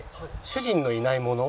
主人のいないもの。